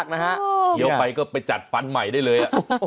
เดี๋ยวไปก็ไปจัดฟันใหม่ได้เลย